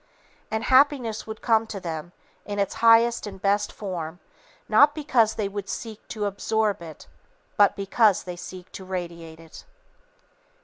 And Happiness would come to them, in its highest and best form, not because they would seek to absorb it, but, because they seek to radiate it.